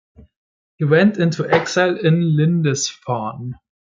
He went into exile in Lindisfarne.